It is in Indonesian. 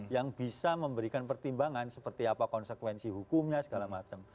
yang bisa memberikan pertimbangan seperti apa konsekuensi hukumnya segala macam